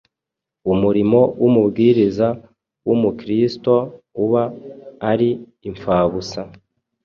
umurimo w’umubwiriza w’umukristo uba ari imfabusa.